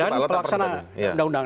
dan pelaksana undang undang